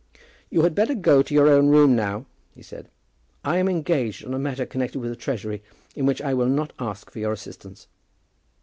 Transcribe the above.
"You had better go to your own room now," he said. "I am engaged on a matter connected with the Treasury, in which I will not ask for your assistance."